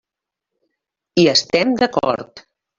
Hi estem d'acord.